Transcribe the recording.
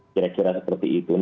kira kira seperti itu